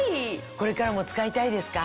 これからも使いたいですか？